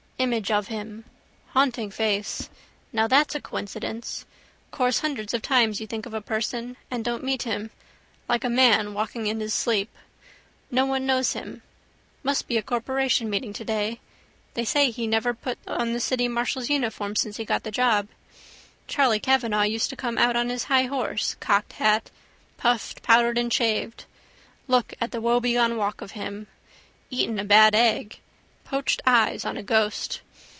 Image of him. Haunting face. Now that's a coincidence. Course hundreds of times you think of a person and don't meet him. Like a man walking in his sleep. No one knows him. Must be a corporation meeting today. They say he never put on the city marshal's uniform since he got the job. Charley Kavanagh used to come out on his high horse, cocked hat, puffed, powdered and shaved. Look at the woebegone walk of him. Eaten a bad egg. Poached eyes on ghost.